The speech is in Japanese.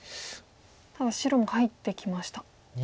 ただ白も入ってきました。